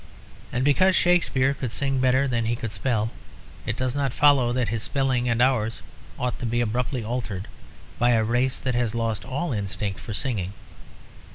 And because Shakespeare could sing better than he could spell, it does not follow that his spelling and ours ought to be abruptly altered by a race that has lost all instinct for singing.